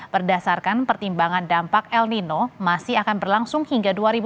berdasarkan pertimbangan dampak el nino masih akan berlangsung hingga dua ribu dua puluh